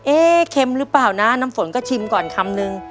เค็มหรือเปล่านะน้ำฝนก็ชิมก่อนคำนึง